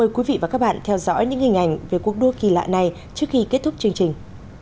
mời quý vị và các bạn theo dõi những hình ảnh về cuộc đua kỳ lạ này trước khi kết thúc chương trình